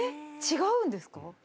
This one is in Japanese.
違うんですか？